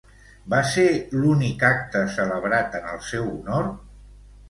Va ser l'únic acte celebrat en el seu honor?